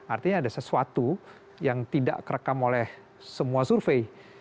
artinya ada sesuatu yang tidak terekam oleh semua survei